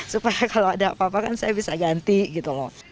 supaya kalau ada apa apa kan saya bisa ganti gitu loh